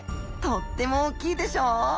とっても大きいでしょ。